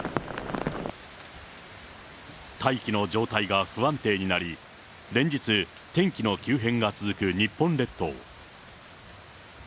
大気の状態が不安定になり、連日、天気の急変が続く日本列島。